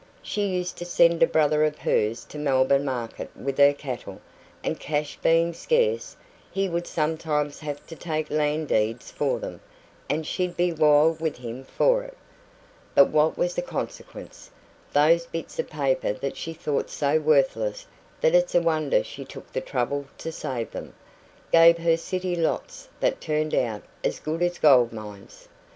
She used to send a brother of hers to Melbourne market with her cattle, and cash being scarce, he would sometimes have to take land deeds for them, and she'd be wild with him for it. But what was the consequence? Those bits of paper that she thought so worthless that it's a wonder she took the trouble to save them, gave her city lots that turned out as good as gold mines.